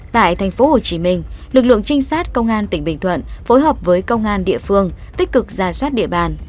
tại thành phố hồ chí minh lực lượng trinh sát công an tỉnh bình thuận phối hợp với công an địa phương tích cực gia soát địa bàn